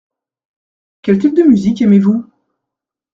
Quel type de musique aimez-vous ?